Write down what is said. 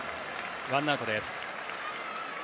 ワンアウトです。